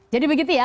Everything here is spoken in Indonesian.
jadi begitu ya